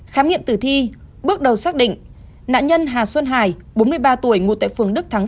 khám nghiệm tử thi bước đầu xác định nạn nhân hà xuân hải bốn mươi ba tuổi ngụ tại phường đức thắng